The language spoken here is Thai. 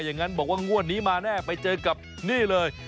อย่างนั้นบอกว่างวดนี้มาแน่ไปเจอกับนี่เลย